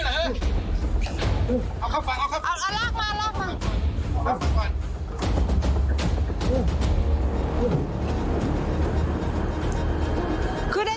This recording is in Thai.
เอาหน้าที่ชวนตอนหน้าจดเลย